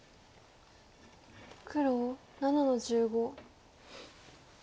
黒７の十五。